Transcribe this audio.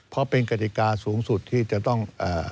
เพราะเป็นกฎิกาสูงสุดที่จะต้อง